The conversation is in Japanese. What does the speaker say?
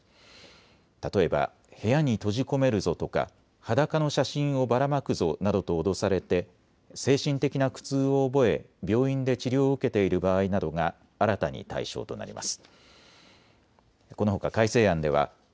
例えば部屋に閉じ込めるぞとか裸の写真をばらまくぞなどと脅されて精神的な苦痛を覚え病院で治療を受けている場合などが新たに対象となります。